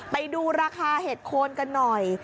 ไปดูราคาเห็ดโคนกันหน่อย